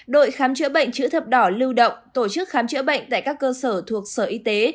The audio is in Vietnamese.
đội khám chữa bệnh chữ thập đỏ lưu động tổ chức khám chữa bệnh tại các cơ sở thuộc sở y tế